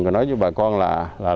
rồi nói với bà con là